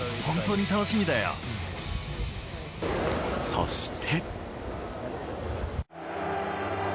そして。